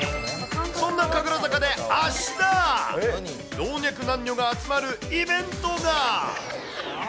そんな神楽坂であした、老若男女が集まるイベントが。